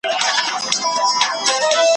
نو بهر له محکمې به څه تیریږي `